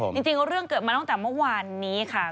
จริงเรื่องเกิดมาตั้งแต่เมื่อวานนี้ค่ะ